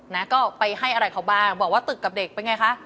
นะก็ไปให้อะไรเขาบ้างบอกว่าตึกกับเด็กเป็นไงคะ